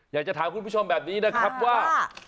อยากจะถามคุณผู้ชมแบบนี้นะครับว่า